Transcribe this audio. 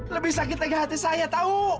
lebih sakit lagi hati saya tahu